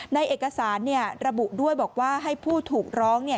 ในเอกสารระบุด้วยบอกว่าให้ผู้ถูกร้อง